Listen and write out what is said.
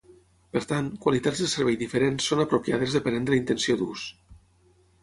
Per tant, qualitats de servei diferents són apropiades depenent de la intenció d'ús.